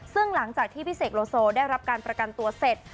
ซึ่งหลังจากที่พี่เสกโลโซได้รับการประกันตัวเสร็จ